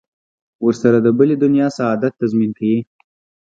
ورسره د بلې دنیا سعادت تضمین کوي.